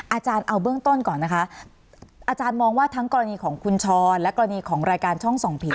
อาจารย์เอาเบื้องต้นก่อนนะคะอาจารย์มองว่าทั้งกรณีของคุณช้อนและกรณีของรายการช่องส่องผี